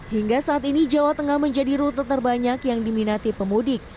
hingga saat ini jawa tengah menjadi rute terbanyak yang diminati pemudik